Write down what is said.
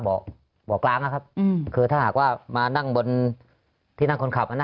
เบาะเบาะกลางน่ะครับอืมคือถ้าหากว่ามานั่งบนที่นั่งคนขับน่ะ